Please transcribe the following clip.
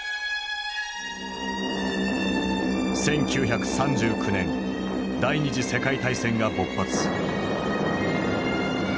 １９３９年第二次世界大戦が勃発。